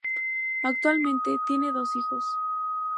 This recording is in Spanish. Actualmente tiene dos hijos.